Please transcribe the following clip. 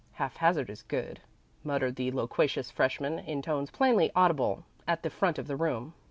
"Haphazard is good," muttered the loquacious freshman, in tones plainly audible at the front of the room.